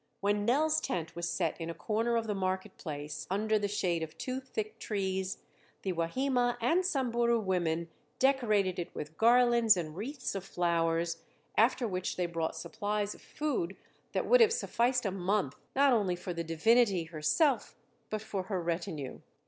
When Nell's tent was set in a corner of the market place under the shade of two thick trees, the Wahima and Samburu women decorated it with garlands and wreaths of flowers, after which they brought supplies of food that would have sufficed a month, not only for the divinity herself but for her retinue.